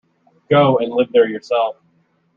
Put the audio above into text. Go and live there yourself.